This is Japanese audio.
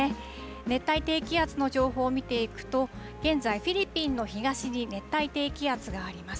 熱帯低気圧の情報を見ていくと、現在、フィリピンの東に熱帯低気圧があります。